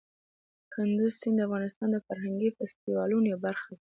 کندز سیند د افغانستان د فرهنګي فستیوالونو برخه ده.